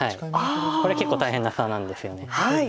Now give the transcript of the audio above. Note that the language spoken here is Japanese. これ結構大変な差なんですよね。